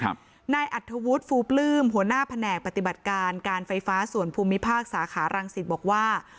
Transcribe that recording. นายอัธวุฒิฟูปลื้มหัวหน้าแผนกปฏิบัติการการไฟฟ้าส่วนภูมิภาคสาขารังสิตบอกว่า